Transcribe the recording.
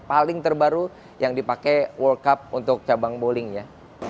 paling terbaru yang dipakai world cup untuk cabang bowlingnya